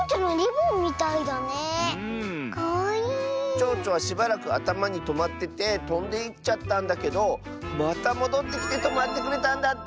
ちょうちょはしばらくあたまにとまっててとんでいっちゃったんだけどまたもどってきてとまってくれたんだって！